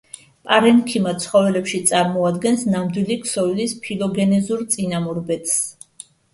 პარენქიმა ცხოველებში წარმოადგენს ნამდვილი ქსოვილის ფილოგენეზურ წინამორბედს.